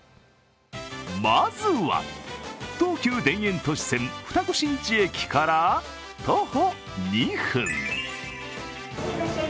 まずは東急田園都市線二子新地駅から徒歩２分。